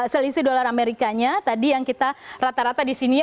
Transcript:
selisih dolar amerikanya tadi yang kita rata rata disini